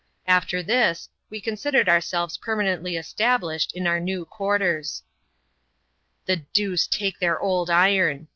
After this, we considered ourselves permanently established in our new quarters. " The deuce take their old iron